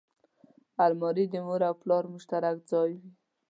الماري د مور او پلار مشترک ځای وي